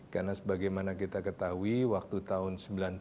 karena sebagaimana kita ketahui waktu tahun sembilan puluh tujuh sembilan puluh delapan